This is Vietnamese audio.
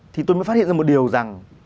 thì tôi mới phát hiện ra một điều rằng